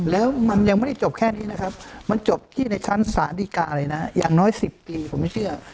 แล้วมันยังไม่ได้จบแค่นี้นะครับมันจบที่ในชั้นศาลดีกาเลยนะอย่างน้อย๑๐ปีผมไม่เชื่อ